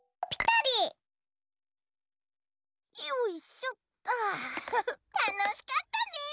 たのしかったね。